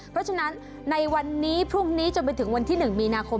เพราะฉะนั้นในวันนี้พรุ่งนี้จนไปถึงวันที่๑มีนาคม